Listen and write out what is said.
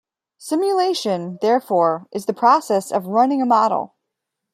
Simulation, therefore, is the process of running a model.